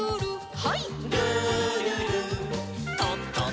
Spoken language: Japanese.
はい。